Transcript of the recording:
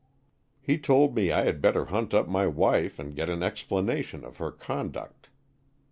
He told me I had better hunt up my wife and get an explanation of her conduct.